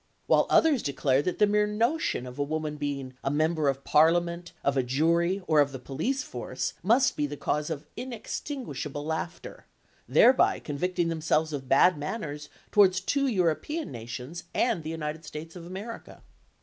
While others declare that the mere notion of a woman being a Member of Parliament, of a jury, or of the police force, must be the cause of inextinguishable laughter, thereby convicting themselves of bad manners towards two European nations and the United States of America.